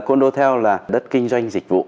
con đôi theo là đất kinh doanh dịch vụ